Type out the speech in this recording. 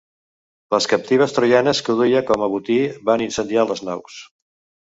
Les captives troianes que duia com a botí van incendiar les naus.